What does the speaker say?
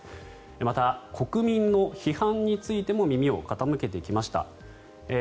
また、国民の批判についても耳を傾けてきました。